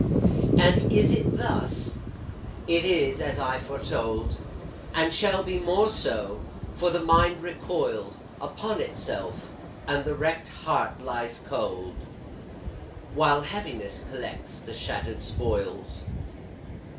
And is it thus? it is as I foretold, And shall be more so; for the mind recoils Upon itself, and the wrecked heart lies cold, While Heaviness collects the shattered spoils.